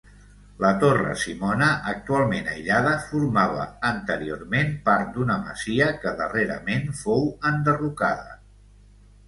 La Torre Simona, actualment aïllada, formava anteriorment part d'una masia que darrerament fou enderrocada.